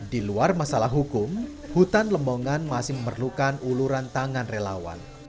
di luar masalah hukum hutan lembongan masih memerlukan uluran tangan relawan